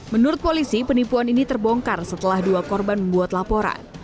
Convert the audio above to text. menurut polisi penipuan ini terbongkar setelah dua korban membuat laporan